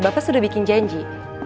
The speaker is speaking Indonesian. bapak sudah bikin janji